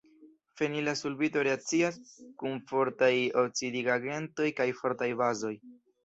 Fenila sulfito reakcias kun fortaj oksidigagentoj kaj fortaj bazoj.